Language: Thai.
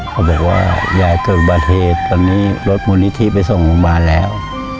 เขาบอกว่ายายเกิดบาเทศตอนนี้รถมูลนิธิไปส่งโรงพยาบาลแล้ว